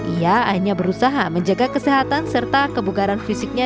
ia hanya berusaha menjaga kesehatan serta kebukaran fisiknya